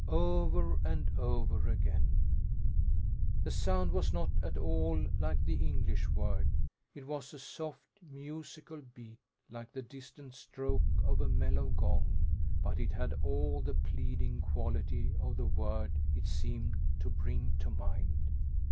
over and over again. The sound was not at all like the English word. It was a soft, musical beat, like the distant stroke of a mellow gong, but it had all the pleading quality of the word it seemed to bring to mind.